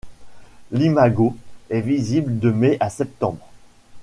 L'imago est visible de mai à septembre.